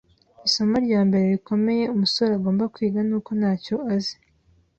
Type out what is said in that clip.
Isomo rya mbere rikomeye umusore agomba kwiga nuko ntacyo azi.